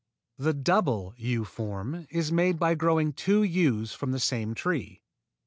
The double U form is made by growing two U's from the same tree.